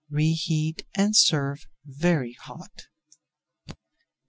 Reheat and serve very hot.